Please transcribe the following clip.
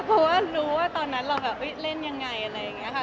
ก็รู้ว่าตอนนั้นเราเล่นยังไงอะไรอย่างนี้ค่ะ